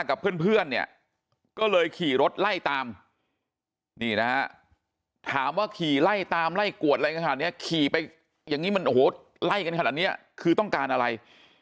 กับเพื่อนเนี่ยก็เลยขี่รถไล่ตามนี่นะฮะถามว่าขี่ไล่ตามไล่กวดอะไรขนาดนี้ขี่ไปอย่างนี้มันโอ้โหไล่กันขนาดนี้คือต้องการอะไร